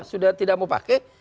sudah tidak mau pakai